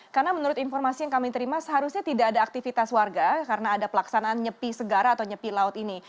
karena menurut informasi yang kami terima seharusnya tidak ada aktivitas warga karena ada pelaksanaan nyepi segara atau nyepi laut ini